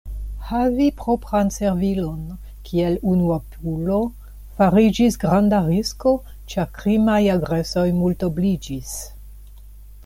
Havi propran servilon kiel unuopulo fariĝis granda risko, ĉar krimaj agresoj multobliĝis.